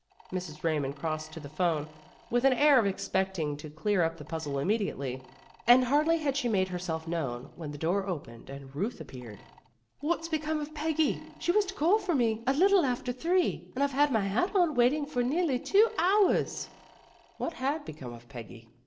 Mrs. Eaymond crossed to the phone, with an air of expecting to clear up the puzzle immediately. And hardly had she made herself known, when the door opened and Ruth appeared. "What's be come of Peggy f She was to call for me a little 304 PEGGY RAYMOND'S WAY after three, and I've had my hat on waiting for her nearly two hours. " What had become of Peggy?